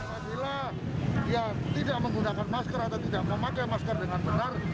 apabila dia tidak menggunakan masker atau tidak memakai masker dengan benar